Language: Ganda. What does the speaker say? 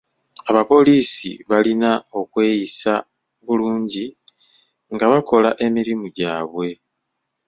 Abapoliisi balina okweyisa bulungi nga bakola emirimu gyabwe.